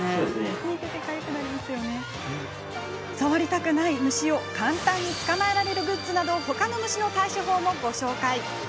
触りたくない虫を簡単に捕まえられるグッズなどほかの虫の対処法もご紹介。